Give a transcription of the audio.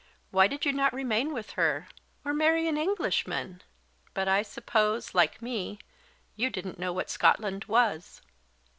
Why did you not remain with her, or marry an Englishman? But I suppose, like me, you didn't know what Scotland was!"